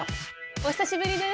お久しぶりです！